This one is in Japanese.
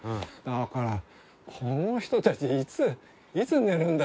だからこの人たちいついつ寝るんだ？